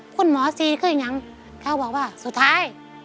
คุณหมอสี่เข้าอย่างงั้นเขาบอกว่าสุดท้าย